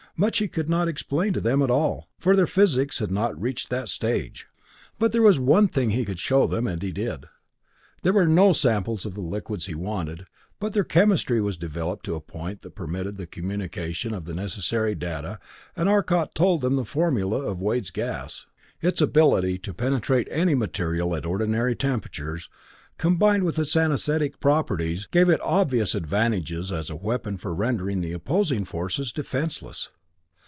Much he could not explain to them at all, for their physics had not yet reached that stage. But there was one thing he could show them, and he did. There were no samples of the liquids he wanted, but their chemistry was developed to a point that permitted the communication of the necessary data and Arcot told them the formula of Wade's gas. Its ability to penetrate any material at ordinary temperatures, combined with its anesthetic properties, gave it obvious advantages as a weapon for rendering the opposing forces defenseless.